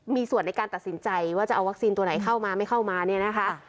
มีส่วนในการตัดสินใจว่าจะเอาวัคซีนตัวไหนเข้ามาไม่เข้ามาเนี่ยนะคะ